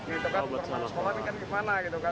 untuk anak sekolah ini kan gimana